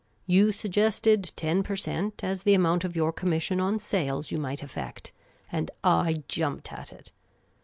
You suggested ten per cent, as the amount of your comnn'ssion on sales you might effect ; and I jumped at it.